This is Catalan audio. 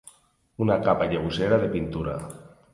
Una capa lleugera de pintura.